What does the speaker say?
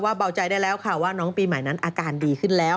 เบาใจได้แล้วค่ะว่าน้องปีใหม่นั้นอาการดีขึ้นแล้ว